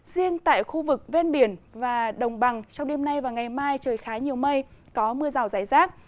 riêng tại khu vực ven biển và đồng bằng trong đêm nay và ngày mai trời khá nhiều mây có mưa rào rải rác